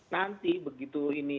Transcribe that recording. nanti begitu ini